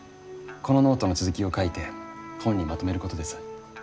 このノートの続きを書いて本にまとめることです。